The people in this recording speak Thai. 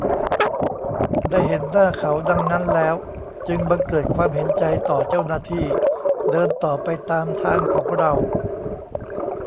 ได้เห็นหน้าเขาดังนั้นแล้ว จึงบังเกิดความเห็นใจต่อเจ้าหน้าที่ เดินต่อไปตามทางของเรา